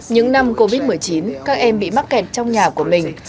những năm covid một mươi chín các em bị mắc kẹt trong nhà của mình